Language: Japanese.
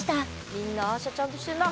みんなアー写ちゃんとしてんな。